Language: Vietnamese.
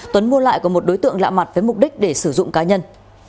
tuấn mua lại của một đối tượng lạ mặt với mục đích để sử dụng cá nhân